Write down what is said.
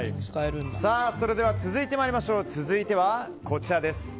それでは続いてはこちらです。